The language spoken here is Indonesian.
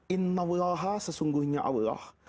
innawulaha sesungguhnya allah